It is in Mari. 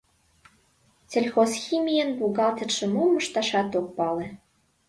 «Сельхозхимийын» бухгалтерже мом ышташат ок пале.